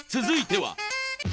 続いては。